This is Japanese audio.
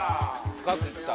深くいった。